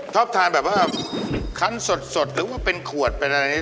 ชอบทานแบบว่าคันสดหรือว่าเป็นขวดเป็นอะไร